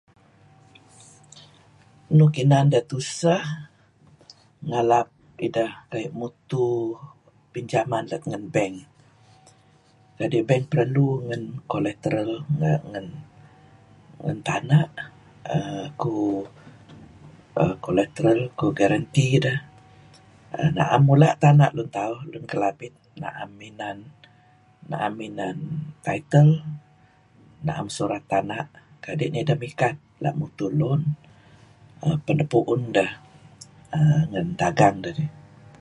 Nuk inan deh tuseh nagalap ideh kayu' mutuh pinjaman lat ngen bank kadi' bank perlu ngen coloteral neh ngen wan tana' kuh colleteral kuh guarantee dah naem mula' tana' tauh Lun Kelabit aem inan naem inan title naem suat tana' kadi' nideh mikat la' mutuh loan penapuun deh lem dagang edih.